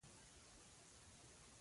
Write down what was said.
د خیر عمل د عزت فخر دی.